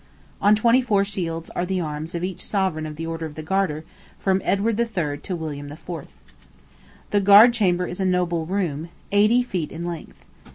On twenty four shields are the arms of each sovereign of the Order of the Garter, from Edward III. to William IV. The Guard Chamber is a noble room, eighty feet in length.